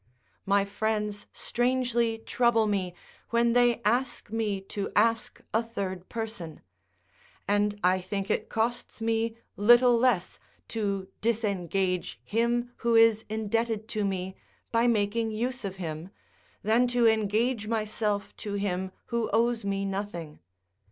My friends strangely trouble me when they ask me to ask a third person; and I think it costs me little less to disengage him who is indebted to me, by making use of him, than to engage myself to him who owes me nothing.